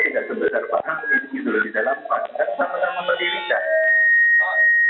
singkat saja pak beranjak apa selanjutnya akan dianggap pak amin